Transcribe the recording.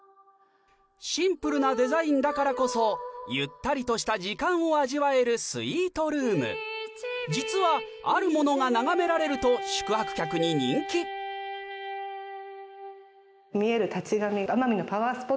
シンプルなデザインだからこそゆったりとした時間を味わえるスイートルーム実はと宿泊客に人気あの岩？